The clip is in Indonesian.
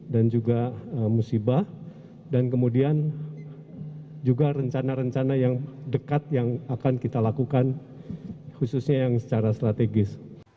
dan juga musibah dan kemudian juga rencana rencana yang dekat yang akan kita lakukan khususnya yang secara strategis